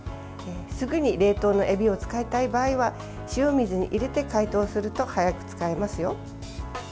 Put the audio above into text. すぐに冷凍のえびを使いたい場合は塩水に入れて解凍すると早く使えますよ。